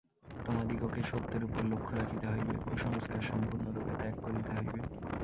তোমাদিগকে সত্যের উপর লক্ষ্য রাখিতে হইবে, কুসংস্কার সম্পূর্ণরূপে ত্যাগ করিতে হইবে।